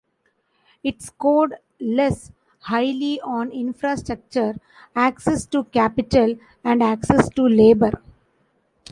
It scored less highly on infrastructure, access to capital and access to labour.